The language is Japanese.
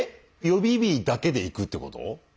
予備日だけでいくってこと？